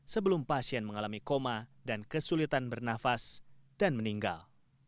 sebelum pasien mengalami koma dan kesulitan bernafas dan meninggal